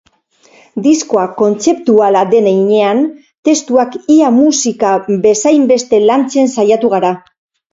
Diskoa kontzeptuala den heinean, testuak ia musika bezainbeste lantzen saiatu gara.